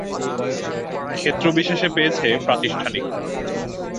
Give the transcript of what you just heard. ক্ষেত্রবিশেষে পেয়েছে প্রাতিষ্ঠানিক রূপ।